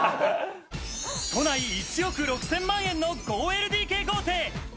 都内１億６０００万円の５ＬＤＫ豪邸。